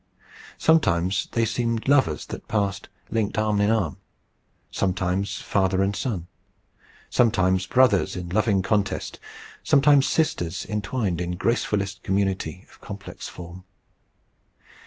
Sometimes they seemed lovers that passed linked arm in arm, sometimes father and son, sometimes brothers in loving contest, sometimes sisters entwined in gracefullest community of complex form.